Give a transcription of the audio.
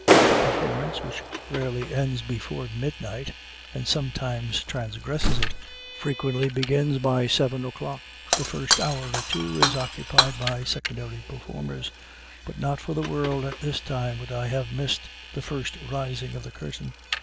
The performance, which rarely ends before midnight, and sometimes transgresses it, frequently begins by seven o'clock. The first hour or two is occupied by secondary performers; but not for the world at this time would I have missed the first rising of the curtain.